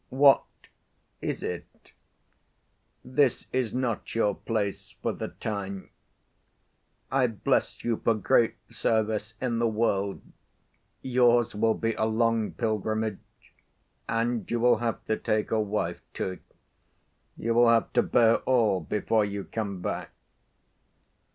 "What is it? This is not your place for the time. I bless you for great service in the world. Yours will be a long pilgrimage. And you will have to take a wife, too. You will have to bear all before you come back.